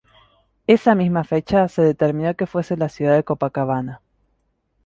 Esa misma fecha se determinó que fuese la ciudad de Copacabana.